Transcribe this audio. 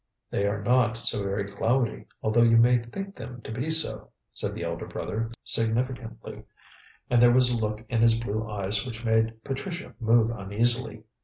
"They are not so very cloudy, although you may think them to be so," said the elder brother significantly, and there was a look in his blue eyes which made Patricia move uneasily.